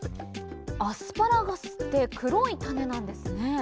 アスパラガスって黒い種なんですね